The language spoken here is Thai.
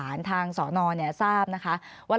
อันดับสุดท้ายแก่มือ